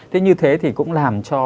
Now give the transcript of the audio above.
thế như thế thì cũng làm cho